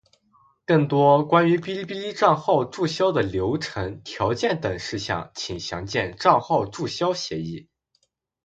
更多关于哔哩哔哩账号注销的流程、条件等事项请详见《账号注销协议》。